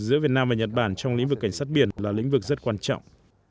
giữa việt nam và nhật bản trong lĩnh vực cảnh sát biển là lĩnh vực rất quan trọng